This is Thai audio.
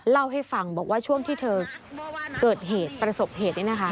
เล่าให้ฟังบอกว่าช่วงที่เธอเกิดเหตุประสบเหตุนี้นะคะ